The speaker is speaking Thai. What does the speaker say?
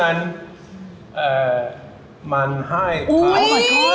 โอ้มายก็อด